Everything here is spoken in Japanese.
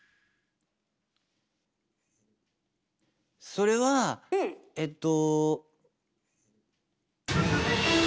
それはえっと。